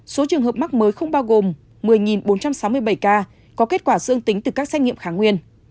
số trường hợp mắc mới không bao gồm một mươi bốn trăm sáu mươi bảy ca có kết quả dương tính từ các xét nghiệm kháng nguyên